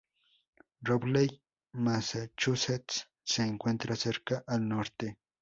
Rowley, Massachusetts se encuentra cerca, al norte.